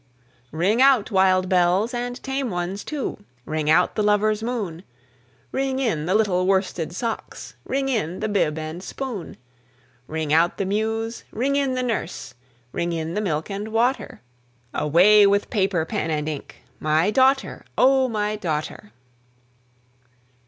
Ring out, wild bells, and tame ones too! Ring out the lover's moon! Ring in the little worsted socks! Ring in the bib and spoon! Ring out the muse! ring in the nurse! Ring in the milk and water! Away with paper, pen, and ink My daughter, O my daughter!